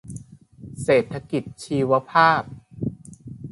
เศรษฐกิจชีวภาพ